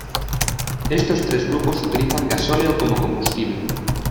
Estos tres grupos utilizan gasóleo como combustible.